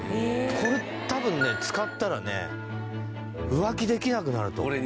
これ多分ね使ったらね浮気できなくなると思う。